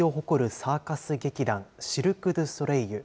サーカス劇団、シルク・ドゥ・ソレイユ。